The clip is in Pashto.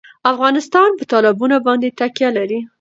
افغانستان په تالابونه باندې تکیه لري.